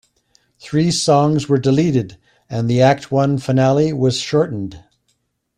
Three songs were deleted, and the Act One Finale was shortened.